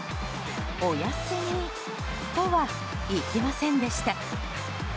お休みとはいきませんでした。